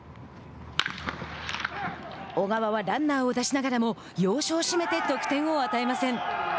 小川はランナーを出しながらも要所を締めて得点を与えません。